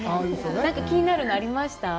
気になるのありました？